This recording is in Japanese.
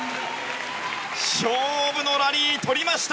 勝負のラリー、取りました！